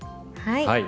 はい。